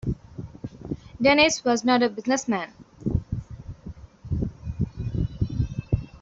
Dennis was not a business man.